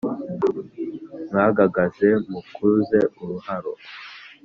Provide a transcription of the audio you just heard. mwagagaze mukuze uruharo